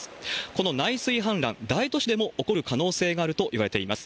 この内水氾濫、大都市でも起こる可能性があるといわれています。